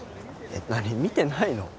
何見てないの？